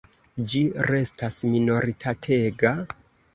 Ĝi restas minoritatega?